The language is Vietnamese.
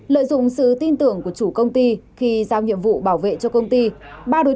lợi dụng sự tin tưởng của chủ công ty khi giao nhiệm vụ bảo vệ cho công ty